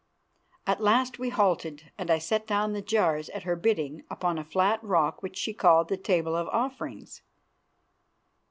At last we halted, and I set down the jars at her bidding upon a flat rock which she called the Table of Offerings.